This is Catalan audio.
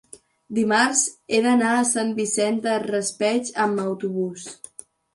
Dimarts he d'anar a Sant Vicent del Raspeig amb autobús.